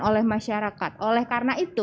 oleh masyarakat oleh karena itu